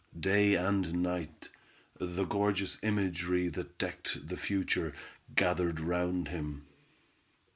Day and night, the gorgeous imagery that decked the future, gathered round him.